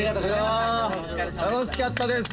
楽しかったです。